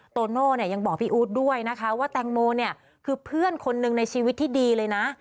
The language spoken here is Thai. โตโน่เนี่ยยังบอกพี่อู๊ดด้วยนะคะว่าแตงโมเนี่ยคือเพื่อนคนหนึ่งในชีวิตที่ดีเลยนะ